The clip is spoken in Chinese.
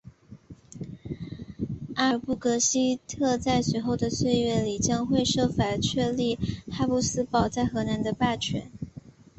阿尔布雷希特在随后的岁月里将会设法确立哈布斯堡在荷兰的霸权。